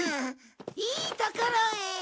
いいところへえっ？